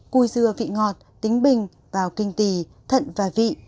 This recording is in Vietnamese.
cùi dừa vị ngọt tính bình vào kinh tì thận và vị